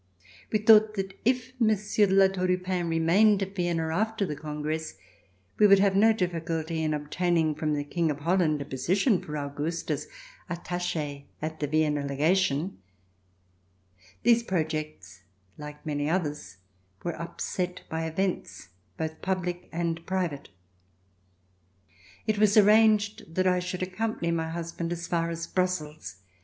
We thought that if Monsieur de La Tour du Pin remained at [39s] RECOLLECTIONS OF THE REVOLUTION Vienna, after the Congress, we would have no dif ficulty in obtaining from the King of Holland a position for Auguste as attache at the Vienna Le gation. These projects, like many others, were upset by events both public and private. It was arranged that I should accompany my husband as far as Brussels.